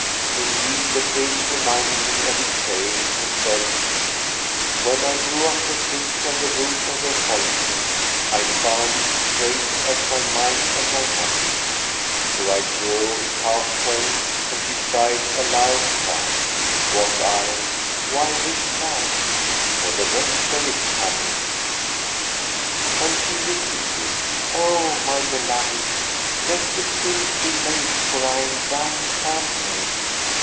Indeed the case reminded me of his saying, who said, "When I drew up her shift from the roof of her coynte, * I found it as strait* as my mind and my money: So I drove it half way, and she sighed a loud sigh * Quoth I, 'Why this sigh?': 'For the rest of it, honey!'" And she repeated, "O my beloved, let the finish be made for I am thine handmaid.